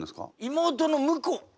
妹の婿。